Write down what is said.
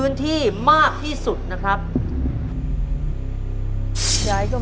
คุณยายแจ้วเลือกตอบจังหวัดนครราชสีมานะครับ